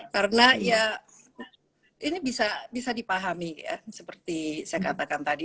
karena ini bisa dipahami seperti saya katakan tadi